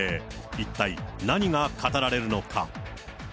一体何が語られるのか。